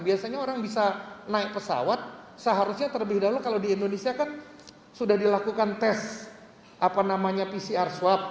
biasanya orang bisa naik pesawat seharusnya terlebih dahulu kalau di indonesia kan sudah dilakukan tes pcr swab